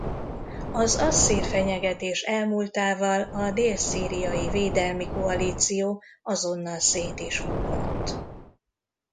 Az asszír fenyegetés elmúltával a dél-szíriai védelmi koalíció azonnal szét is hullott.